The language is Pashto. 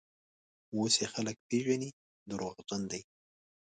اوس یې خلک پېژني: دروغجن دی.